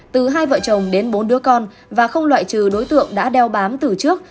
từ hai vợ chồng đến bốn đứa con và không loại trừ đối tượng đã đeo bám từ trước